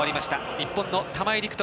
日本の玉井陸斗